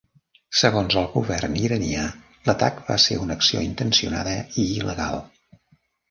Segons el govern iranià, l'atac va ser una acció intencionada i il·legal.